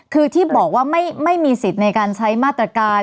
คือที่บอกว่าไม่มีสิทธิ์ในการใช้มาตรการ